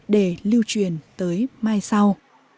để lưu truyền tới mai sau